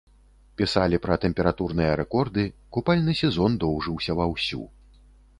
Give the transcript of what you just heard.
Пісалі пра тэмпературныя рэкорды, купальны сезон доўжыўся ва ўсю.